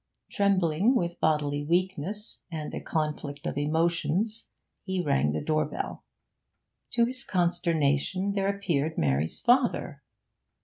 Trembling with bodily weakness and the conflict of emotions, he rang the door bell. To his consternation there appeared Mary's father.